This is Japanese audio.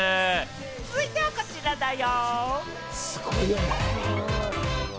続いてはこちらだよ。